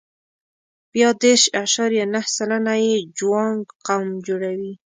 بیا دېرش اعشاریه نهه سلنه یې جوانګ قوم جوړوي.